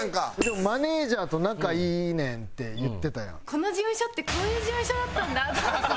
この事務所ってこういう事務所だったんだと。